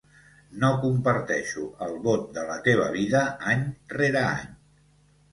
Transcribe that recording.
No comparteixo el ‘vot de la teva vida’ any rere any.